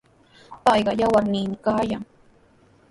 Payqa yawarniimi kallan.